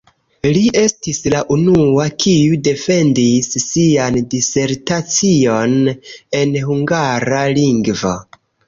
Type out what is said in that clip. Li estis la unua, kiu defendis sian disertacion en hungara lingvo.